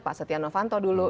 pak setia novanto dulu